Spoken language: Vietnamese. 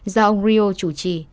do ông ryo chủ trì